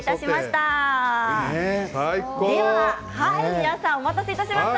皆さんお待たせいたしました。